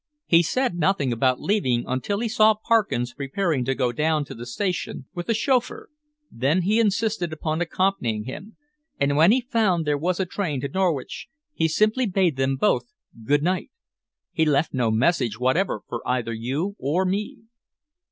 He said nothing about leaving until he saw Parkins preparing to go down to the station with the chauffeur. Then he insisted upon accompanying him, and when he found there was a train to Norwich he simply bade them both good night. He left no message whatever for either you or me."